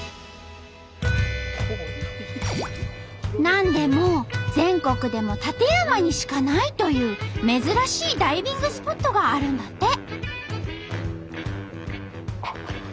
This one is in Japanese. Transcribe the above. なんでも全国でも館山にしかないという珍しいダイビングスポットがあるんだって！